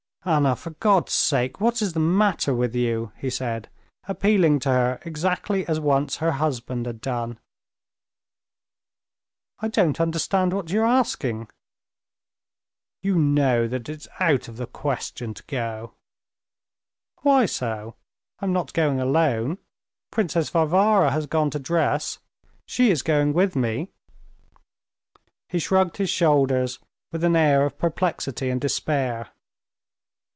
"Anna, for God's sake! what is the matter with you?" he said, appealing to her exactly as once her husband had done. "I don't understand what you are asking." "You know that it's out of the question to go." "Why so? I'm not going alone. Princess Varvara has gone to dress, she is going with me." He shrugged his shoulders with an air of perplexity and despair.